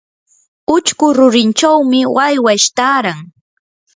uchku rurinchawmi waywash taaran.